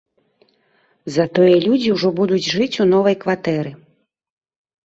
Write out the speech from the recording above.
Затое людзі ўжо будуць жыць у новай кватэры.